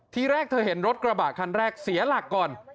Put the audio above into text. ทีแรกเธอเห็นรถกระบะคันแรกเสียหลักก่อน